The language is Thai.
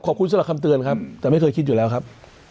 สำหรับคำเตือนครับแต่ไม่เคยคิดอยู่แล้วครับ